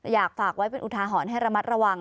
อยากฝากไว้เป็นอุทาหรณ์ให้ระมัดระวัง